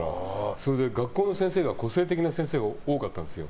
それで学校の先生が個性的な先生が多かったんですよ。